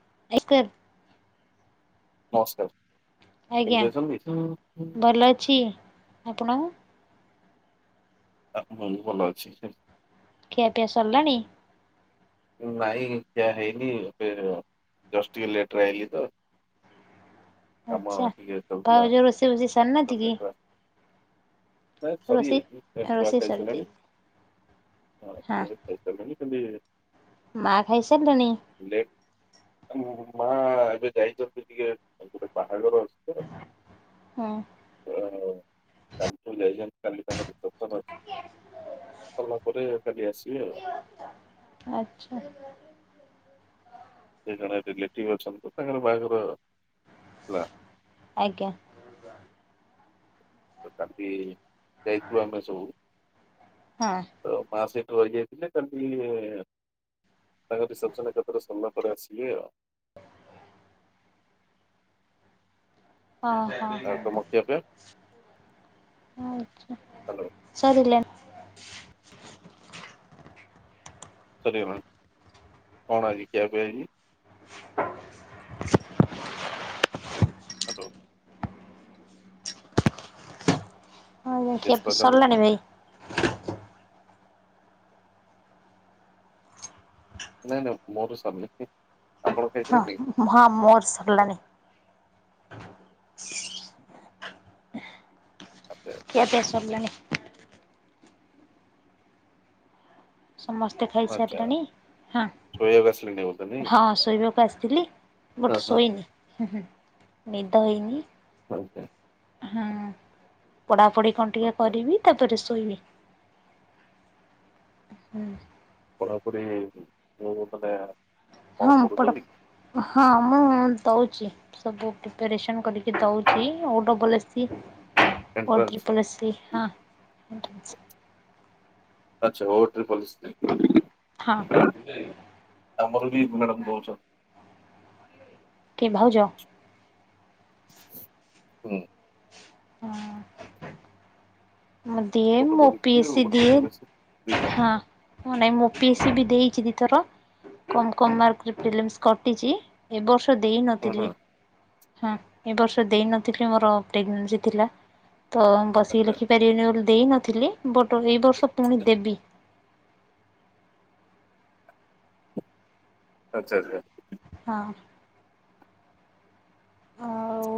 [unintelligible] ନମସ୍କାର। ଆଜ୍ଞା କେମତି ଅଛନ୍ତି? ଭଲ ଅଛି। ଆପଣ ଆ ସବୁ ଭଲ ଅଛି। ଖିଆପିଆ ସରିଲାଣି? ନାଇଁ ଖିଆ ହେଇନି। ଏବେ ଜଷ୍ଟ ଟିକେ ଲେଟରେ ଆଇଲି ତ। କାମ ଆଚ୍ଛା। ଟିକେ ଚାଲୁଥିଲା ଭାଉଜ ରୋଷେଇ ବସେଇ ତ ସାରନାନ୍ତି କି? ଲେଟରେ ଆସି ନାଇଁ ରୋଷେଇ ସରିଯାଇଛି ଏ ଛୁଆ ରୋଷେଇ ଖାଇସାରିଲାଣି ସରିଚି। ହଁ। ଛୁଆ ଖାଇସାରିଲାଣି ଖାଲି ମା ଖାଇ ସାରିଲେଣି? ଲେଟ୍ ମା ଏବେ ଯାଇଛନ୍ତି ଟିକେ ଗୋଟେ ବାହାଘର ଅଛି ତ ହୁଁ। କାଲି ଠଉଁ ଯାଇଚନ୍ତି କାଲି ତାଙ୍କର [unintelligible] [unintelligible] ସରିଲା ପରେ କାଲି ଆସିବେ ଆଉ। ଆଚ୍ଛା। ସେ ଜଣେ ରିଲେଟିଭ ଅଛନ୍ତି ତ ତାଙ୍କର ବାହାଘର ଥିଲା। ଆଜ୍ଞା। ତ କାଲି ଯାଇଥିଲୁ ଆମେ ସବୁ। ହଁ। ତ ମା ସେ ରହିଯାଇଥିଲେ, କାଲି ତାଙ୍କ ରିସେପସନ୍ ଏକାଥରେ ସରିଲା ପରେ ଆସିବେ ଆଉ। [unintelligible] ହଁ ହଁ ଆଉ ହଁ ତମ ହଁ। ଖିଆ ପିଆ ଆଚ୍ଛା ହାଲୋ ସରିଲେ? ସରିଗଲାଣି। କଣ ଆଜି ଖିଆପିଆ ହେଇଛି? [inaudible] ହାଲୋ। ହଁ ବ୍ୟସ୍ତ ଖିଆପିଆ ଅଛନ୍ତି କି? ସରିଲାଣି ଭାଇ? ନାଇଁ ନାଇଁ ମୋର ସବ ହଁ ହଁ ମୋର ସରିଲାଣିି। ଆଚ୍ଛା କିଆ ପିଆ ସାରିଲାଣି। ସମସ୍ତେ ଆଚ୍ଛା ଖାଇସାରିଲେଣି ହଁ। ଶୋଇବାକୁ ଆସିଲେଣି ବୋଧେ ନାଇଁ? ହଁ ଶୋଇବାକୁ ଆସିଥିଲି ହଁ ବଟ ହଁ ସୋଇନି ଦଇନ। ହଉ ସେ ହୁଁ ପଢାପଢି କଣ ଟିକେ ଆଚ୍ଛା କରିବି ତାପରେ ସୋ ହୁଁ ହୁଁ। ପଢ଼ାପଢ଼ି ମୁ ମାନେ କଣ ହଁ ପଢୁଛନ୍ତି କି? ପଡାପ ହଁ ମୁ ହଉଚି ସବୁ ପ୍ରିପାରେସନ୍ କରିକି ଦଉଚି ଆଉ ଡବଲ୍ ଏସିି ଏଣ୍ଟ୍ରାନ୍ସ ଓଟ୍ରି ପଲଶ୍ରୀ ହଁ। ଆଛାଓଟ୍ରିପଲିସି। ହଁ, ଆମର ବି ମୁନାରାମ ଦଉଛ। କିଏ ଭାଉଜ? ହୁଁ। ହୁଁ ଉଁ ମୁ ଦିଏ ଗୋଟେ ମୋ ପଲିସି ଆଉ ପିଇସି ଗୋଟେ ଦିଏ। ପଲିସି ଦିଟା ହଁ ମୁଁ ନାଇଁ ମୋ ପିଇସି ବି ଦେଇଛି ଦି ଥର। କମ୍ କମ୍ ମାର୍କରେ ପ୍ରିଲିମସ କଟିଛି ଏବର୍ଷ ଦେଇ ହୁଁ ହୁଁ ନଥିଲି। ହଁ ଏ ବର୍ଷ ଦେଇ ନଥିଲି ମୋର ପ୍ରେଗନନ୍ସି ଥିଲା ତ ବସିକି ଆଚ୍ଛା ଲେଖି ଦେଇ ନଥିଲି ବଟ୍ ଏଇ ବର୍ଷ ପୁଣି ଦେବି। ଆଚ୍ଛା, ଆଚ୍ଛା। ହଁ। ଆଉ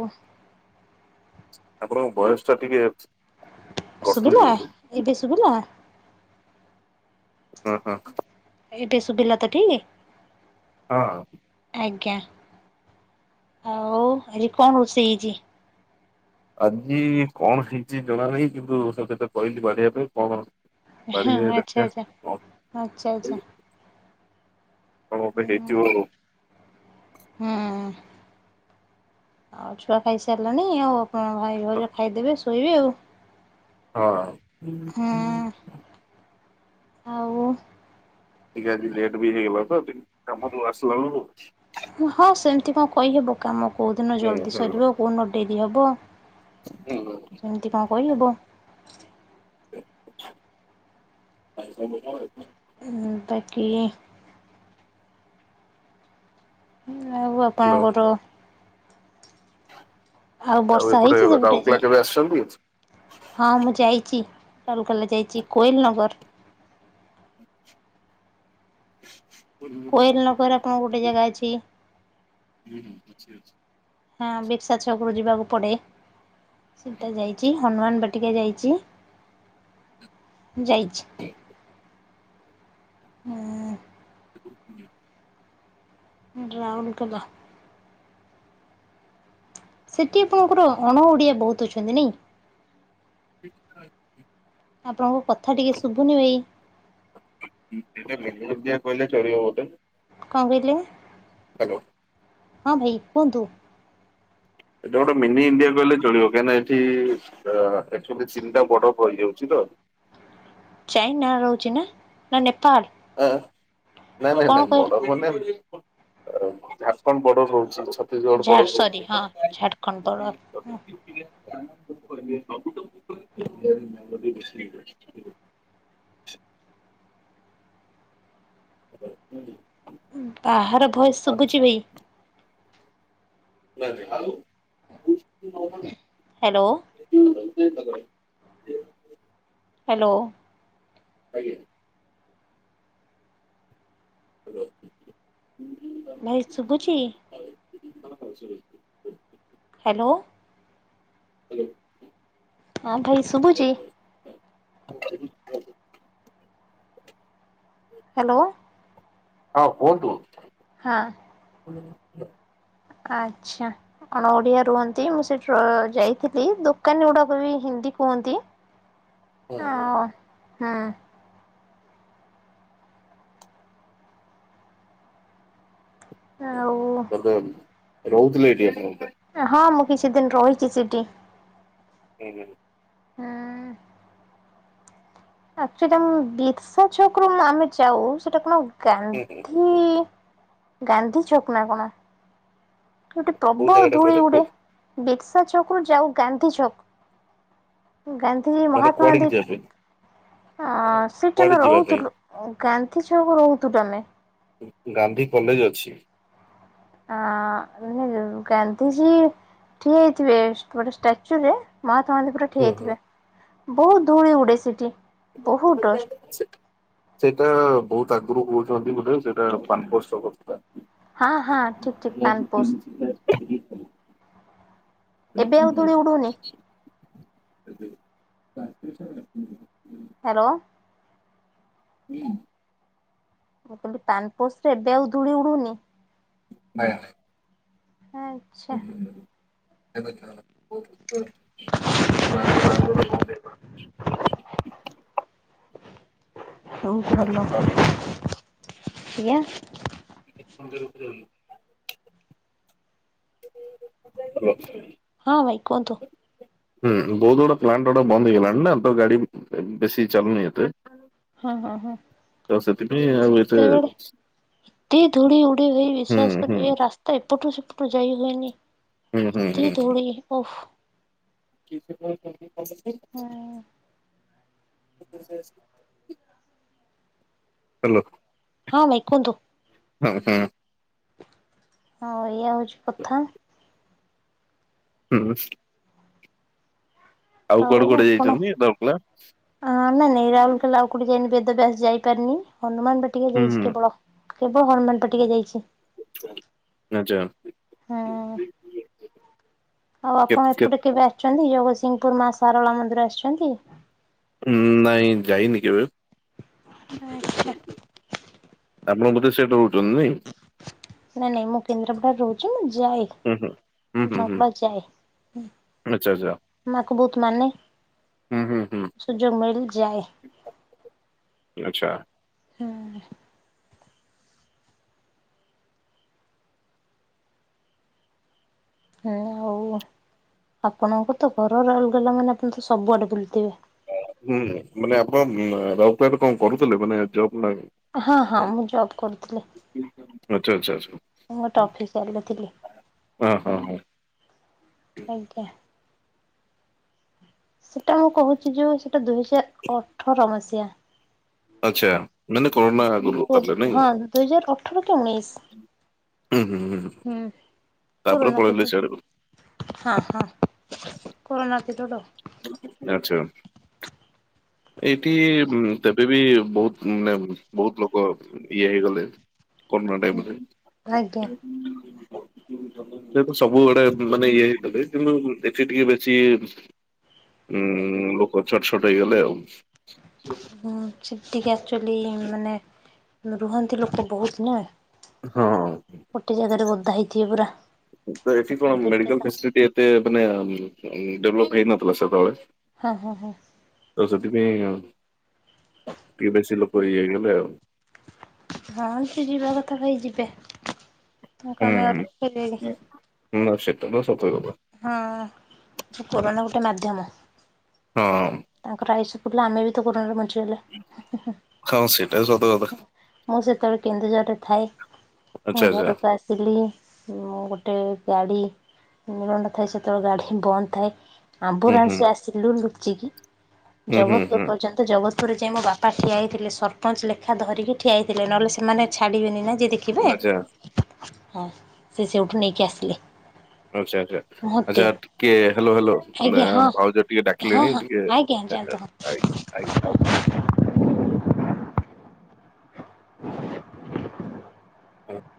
ଆପଣଙ୍କ ବୟସ ଟା ଟିକେ କଟୁଚି ସୁୁବିଲା ବୋଧେ। ଏବେ ସୁୁବିଲା? ହଁ ହଁ। ଏବେ ଶୁବିଲା ତ ଠିକ? ହଁ। ଆଜ୍ଞା ଆଉ ଆଜି କଣ ରୋଷେଇ ହେଇଚି? ଆଜି କଣ ହେଇଚି ଜଣାନାହିଁ କିନ୍ତୁ ସତେତ କହିଲି ବାଢ଼ିବା ପାଇଁ କଣ ହଁ ବାଢିବେ ଦେଖିବା। ଆଚ୍ଛା-ଆଚ୍ଛା କଣ - ଆଚ୍ଛା - ଆଚ୍ଛା କଣ ଗୋଟେ ହୁଁ ହେଇଥିବ ଆଉ। ହୁଁ। ଆଉ ଛୁଆ ଖାଇସାରିଲାଣି ଆଉ ଆପଣ ଭାଇ ଭଉଜ ଖାଇଦେବେ ଶୋଇବେ ଆଉ। ହଁ। ହୁଁ। ଆଉ ଟିକେ ଆଜି ଲେଟ୍ ବି ହେଇଗଲା ତ କାମରୁ ଆସିଲା ବେଳକୁ ହଁ ସେମିତି କଣ କହିହେବ କାମ କୋଉ ଦିନ ଜଲ୍ଦି ହ୍ୟାଲୋ ସରିବ କୋଉ ଦିନ ଡେରି ହବ। ସେମିତି କଣ କହିହେବ। [unintelligible] ବାକି ଆଉ ଆପଣଙ୍କର ଆଉ ବର୍ଷା ଏପଟେ ହେଇଛି ସେପଟେ ଯେ ରାଉରକେଲା କେବେ ଆସିଚନ୍ତି? ହଁ ମୁଁ ଯାଇଚି ରାଉଲକେଲା ଯାଇଚି କୋଏଲ ନଗର [inaudible] କୋଏଲ ନଗର ଆପଣଙ୍କ ଗୋଟେ ଜାଗା ଅଛି। ହଁ ବିର୍ସା ଛକରୁ ଯିବାକୁ ପଡ଼େ। ସେଟା ଯାଇଚି ହନୁମାନ ବାଟିକା ଯାଇଚି। ଯାଇଚି ଆଁ-ଆଁ ହୁ [unintelligible] ଡ୍ରାଉନକଲା। ସେଠି ଆପଣଙ୍କର ଅଣଓଡ଼ିଆ ବହୁତ ଅଛନ୍ତି ନାଇଁ? ର [inaudible] ଆପଣଙ୍କ କଥା ଟିକେ ଶୁଭୁନି ଭାଇ। [unintelligible] କହିଲେ ଚଳିବ ବଟେ କଣ କହିଲେ? ହ୍ୟାଲୋ। ହଁ ଭାଇ କୁହନ୍ତୁ। ଏଇଟା ଗୋଟେ ମିନି ଇଣ୍ଡିଆ କହିଲେ ଚଳିବ କାହିଁକିନା ଏଠି ଏକ୍ଚୁଆଲି ଚୀନଟା [unintelligible] ହେଇଯାଉଛି ତ ଚାଇନା ରହୁଛି ନା, ନା ନେ ଆଁ, ନାଇଁ ନାଇଁ ନାଇଁ କହିଲେ ବର୍ଡ଼ର ମାନେ ଝାଡ଼ଖଣ୍ଡ ବର୍ଡ଼ର ରହୁଛି ଛତିଶଗଡ଼ ଝାଡ଼ ବର୍ଡ଼ର ସରି ରହୁଛି ଆ ହଁ ଝାଡ଼ଖଣ୍ଡ ବଡ଼ କଟ [unintelligible] ହଁ ବାହାର ଭୟସ୍ ଶୁଭୁଛି ଭାଇ। ନାଁକି ଆଉ ହ୍ୟାଲୋ। ସେ ତାର ହ୍ୟାଲୋ। ଆଜ୍ଞା। ହ୍ୟାଲୋ ଭାଇ ଶୁଭୁଛି? ହଁ ହଁ ଶୁଭୁଚି। ହ୍ୟାଲୋ। ହ୍ୟାଲୋ। ହଁ ଭାଇ ଶୁଭୁଛି? ଆ [unintelligible] ହ୍ୟାଲୋ। ହଁ କୁହନ୍ତୁ। ହଁ। [inaudible] ଆଚ୍ଛା, ଅଣ ଓଡିଆ ରୁହନ୍ତି ମୁଁ ସେଠି ଯାଇଥିଲି ଦୋକାନୀ ଗୁଡାକ ବି ହିନ୍ଦ୍ ହିନ୍ଦୀ କୁହନ୍ତି। ହୁଁ-ହୁଁ। ଆଉ ହୁଁ ଆଉ ଏବେ ରହୁଥିଲେ ଏଠି ଆପଣ? ହଁ ମୁଁ କିଛି ଦିନ ରହିଚି ସେଠି। ହୁଁ-ହୁଁ। ହୁଁ ଉଁ-ଉଁ-ଉଁ ଆକ୍ଚୂଆଲି ମୁଁ ବିର୍ସା ଛକରୁ ଆମେ ଯାଉ ସେଟା କଣ ଗାନ୍ଧୀ, ଗାନ୍ଧୀ ଛକ୍ ନା କଣ ଗୋଟେ କୋଉ ପ୍ରବଳ ଜାଗା ଟା ଧୂଳି ଉଡେ। କହିଲେ ବିର୍ସା ଛକରୁୁ ଯାଉ ଗାନ୍ଧୀ ଛକ ଗାନ୍ଧୀ ମାନେ ମହାତ୍ମା କୁଆଡିକି ଗାନ୍ଧୀ। ଯିବା ପାଇଁ? ଆ ସେଇଠି କୁଆଡେ ଆମେ ଯିବା ପାଇଁ ରହୁଥିଲୁ ଗାନ୍ଧି ଛକ ରହୁଥିଲୁ ଆମେ। ଗାନ୍ଧୀ କଲେଜ ଅଛି। ଆଁ ଗାନ୍ଧିଜୀ ଠିଆ ହେଇଥିବେ ଗୋଟେ ଷ୍ଟାଚୁ ରେ ମା [unintelligible] ପୁରା ଠିଆ ଅଛି। ହେଇଥିବେ ବହୁତ ଧୂଳି ଉଡେ ସେଠି। ବହୁତ ଡଷ୍ଟ ସେଇଟା ବହୁତ୍ ଆଗରୁ କହୁଛନ୍ତି ବୋଧ ସେଇଟା ପାନ [unintelligible] ଛକ ଥିଲା। ହଁ ହଁ ଠିକ ଠିକ ପାନପୋସ୍ [unintelligible] ଏବେ ଆଉ ଧୂଳି ଉଡୁନି? ଏବେ [unintelligible] ହ୍ୟାଲୋ। ହୁଁ। ମୁ କହିଲି ପାନପୋସ୍ ରେ ଏବେ ଆଉ ଧୂଳି ଉଡୁନି? [unintelligible] ଆଚ୍ଛା। ଏବେ [unintelligible] [unintelligible] ବନ୍ଦ ହେଇଗଲାଣି। ହଉ ଭଲ [unintelligible] [unintelligible] ହାଲୋ। ହଁ ଭାଇ କୁହନ୍ତୁ। ହୁଁ ବହୁତ୍ ଗୁଡ଼ା ପ୍ଲାଣ୍ଟ୍ ଗୁଡା ବନ୍ଦ ହେଇଗଲାଣି ନା ତ ଗାଡ଼ି ବେଶୀ ଚାଲୁନି ଏତେ। ହଁ ହଁ ହଁ। ତ ସେଥିପାଇଁ ଆଉ ଏତେ ସେତେବେଳେ ଏତେ ଧୂଳି ଉଡେ ଭାଇ ହୁଁ ବିଶ୍ଵାସ ହୁଁ କରିବେ ରାସ୍ତା ଏପଟୁ ସେପଟୁ ଯାଇ ହୁଏନି ହୁଁ ହୁଁ ଏତେ ହୁଁ। ଧୂଳି ଓଃ। [unintelligible] ହଁ [unintelligible] ହାଲୋ। ହଁ ଭାଇ‌‌ କୁହନ୍ତୁ। [unintelligible] ହୁଁ। ହଁ ଭାଇ ଏଇଆ ହେଉଚି କଥା। ହୁଁ। ଆଉ କୁଆଡେ କୁଆଡେ ଆପଣ ଯାଇଛନ୍ତି ଦରପଲା ଆ ନାଇଁ ନାଇଁ ରାଉଲକେଲା ଆଉ କୋଉଠି ଯାଇନି ବେ ବେଦବ୍ୟାସ ଯାଇପାରିନି ହନୁମାନ ବାଟିକା ହୁଁ ଯାଇଛି କେବଳ କେବଳ ହନୁମାନ ବାଟିକା‌ ଯାଇଛି। [unintelligible] ଆଚ୍ଛା। ହୁଁ। ଆଉ ଆପଣ କେତ୍ ଏପଟେ କେବେ ଆସିଛନ୍ତି ଜଗତସିଂହପୁର ମା ସାରଳା ମନ୍ଦିର ଆସିଛନ୍ତି? ନାଇଁ ଯାଇନି କେବେ। ଆଚ୍ଛା। ଆପଣ ବୋଧେ ସେଇଟି ରହୁଛନ୍ତି ନାଇଁ? ନାଇଁ ନାଇଁ ମୁଁ କେନ୍ଦ୍ରାପଡ଼ାରେ ରହୁଛି ମୁଁ ଯାଏ ହୁଁ ହୁଁ। ହୁଁ ହୁଁ ହୁଁ ନର୍ମାଲ ଯାଏ ଆଚ୍ଛା ଆଚ୍ଛା ମା କୁ ବହୁତ୍ ମାନେ। ହୁଁ ହୁଁ ହୁଁ ସୁଯୋଗ ମିଳିଲେ ଯାଏ। ଆଚ୍ଛା। ହୁଁ। ହୁଁ ହଉ ଆଉ ଆପଣଙ୍କ ତ ଘର ରାଉଲକେଲା ମାନେ ଆପଣ ତ ସବୁଆଡ଼େ ବୁଲିଥିବେ। ହୁଁ ମାନେ ଆପଣ ରାଉଲକେଲାରେ କଣ କରୁଥିଲେ ମାନେ ଜବ୍? ନା ହଁ ହଁ ମୁଁ ଜବ୍ କରୁଥିଲି। ଆଚ୍ଛା ଆଚ୍ଛା ଆଚ୍ଛା। ମୁଁ ଗୋଟେ ଅଫିସ୍ୟାଲି ରେ ଥିଲି ହଁ ହଁ ହଁ ଆଜ୍ଞା। ସେଟା ଆଉ କହୁଚି ଯୋଉ ସେଟା ଦୁଇହଜାର ଅଠର ମସିହା। ଆଚ୍ଛା ମାନେ କରୋନା ଆଗରୁ ଓ ତାହେଲେ ନାଇଁ। ହଁ ଦୁଇ ହଜାର ଅଠର କି ଉଣେଇଶ। ହୁଁ ହୁଁ ହୁଁ ହଁ ତାପରେ ପଳେଇଲେ ସିଆଡକୁ ହଁ। [unintelligible] [unintelligible] ଏଇଠି ବୁଁ ତେବେ ବି ବହୁତ ଉଁ ମେଁମ୍ ବହୁତ ଲୋକ ଇଏ ହେଇଗଲେ। କରୋନା ହୁଁ ଟାଇମରେ। ଆଜ୍ଞା। [unintelligible] ତେବେ ସବୁଆଡେ ମାନେ ଇଏ ହେଇଗଲେ କିନ୍ତୁ ଏଠି ଟିକେ ବେଶୀ। ଉୁଁ ଲୋକ ଛଟ୍ ଛଟ୍ ହେଇଗଲେ ଆଉ। ହଁ ସେଠି ଟିକେ ଆକଚୁଆଲି ମାନେ ରୁହନ୍ତି ଲୋକ ବହୁତ ନା। ହଁ। ଗୋଟେ ଜାଗାରେ ଗଦା ହେଇଥିବେ ପୁରା। ତ ଏଠି କଣ କୋଭିଡ ଟା ମେଡିକାଲ ତ ଫେସିଲିଟି ଏତେ ମାନେ ଉଁ ଡେଭଲପ ହେଇନଥିଲା ସେତେବେଳେ ହଁ ହଁ ହଁ ତ ସେଥିପାଇଁ ଟିକେ ବେଶୀ ଲୋକରେ ଇଏ ହେଇଗଲେ ଆଉ। ହଁ ସେ ଯିବା କଥା ଭାଇ ଯିବେ। ତମେ କଁ ହୁଁ ଆମେ ଆଉ ରଖପାରିବା କି? ଏଇଟା ସତକଥା। ହଁ କୋରନା ଗୋଟେ ମାଧ୍ୟମ। ହଁ। ସେତେବେଳେ ଆମେ ବି ତ କୋରନାରେ ବଞ୍ଚି ହଁ [unintelligible] ସେଇଟା ସତ କଥା ମୁଁ ସେତବେଳେ କେନ୍ଦୁଝରରେ ଥାଏ। ମୁଁ ଆଚ୍ଛା ଆଚ୍ଛା ଘରୁକୁ ଆସିଲି ମୁଁ ଗୋଟେ ଗାଡି [unintelligible] ଥାଏ। ସେତବେଳେ ଗାଢି ବନ୍ଦ ଥାଏ ହୁଁ ହୁଁ ଆମ୍ବୁଲାନ୍ସ ରେ ଆସିଲୁ ଲୁଚିକି। ହୁଁ ହୁଁ ଜଗତପୁର ହୁଁ ପର୍ଯ୍ୟନ୍ତ ଜଗତପୁରରେ ଯାଇ ମୋ ବାପା ଠିଆ ହେଇଥିଲେ ସରପଞ୍ଚ ଲେଖା ଧରିକି। ଠିଆ ହେଇଥିଲେ ନଅଲେ ସେମାନେ ଛାଡ଼ିବେନି ନା ଯିଏ ଦେଖିବେ। ଆଚ୍ଛା ହଁ ସେ ସେଇଠୁ ନେଇକି ଆସିଲେ। ଆଚ୍ଛା ଆଚ୍ଛା। ମତେ। ଆଚ୍ଛା ଟିକେ ହାଲୋ ହାଲୋ ମେ ଆଜ୍ଞା ଆ ହଁ ଭାଉଜ ଟିକେ ହଁ ଡାକିଲେଣି ହଁ ଟିକେ ଆଜ୍ଞା ଏ ଯାଆନ୍ତୁ ହଁ। ଏ ଆଜ୍ଞା। ଅଁ।